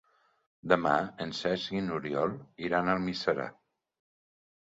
Demà en Cesc i n'Oriol iran a Almiserà.